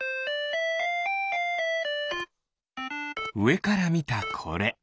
うえからみたこれ。